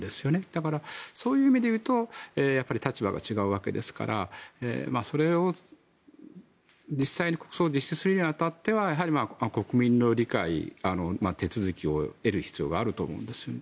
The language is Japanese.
だから、そういう意味でいうと立場が違うわけですからそれを実際に国葬を実施するに当たってはやはり、国民の理解手続きを得る必要があると思うんです。